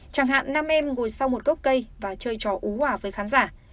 chẳng hạn nam em ngồi sau một gốc cây và chơi trò ú hỏa với khán giả